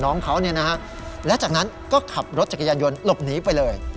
น้องเขาเนี่ยนะฮะและจากนั้นก็ขับรถจักรยานยนต์หลบหนีไปเลย